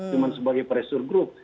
sama sebagai pressure group